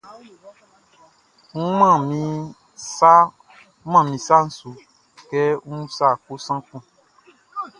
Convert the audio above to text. N man min sa su kɛ ń úsa kosan kun.